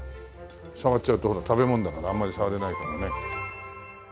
触っちゃうとほら食べ物だからあんまり触れないからね。